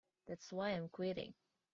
That's why I'm quitting.